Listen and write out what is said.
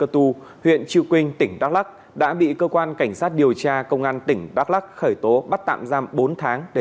theo quyết định truy năng